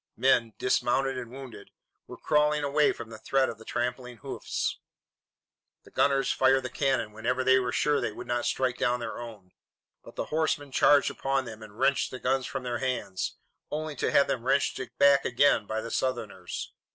Men, dismounted and wounded, were crawling away from the threat of the trampling hoofs. The gunners fired the cannon whenever they were sure they would not strike down their own, but the horsemen charged upon them and wrenched the guns from their hands, only to have them wrenched back again by the Southerners.